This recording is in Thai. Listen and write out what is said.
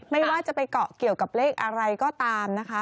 ไม่ว่าจะไปเกาะเกี่ยวกับเลขอะไรก็ตามนะคะ